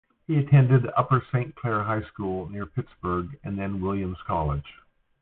He attended Upper Saint Clair High School near Pittsburgh, then Williams College.